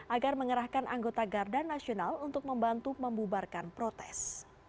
agar mengerahkan anggota garda nasional untuk membantu membubarkan protes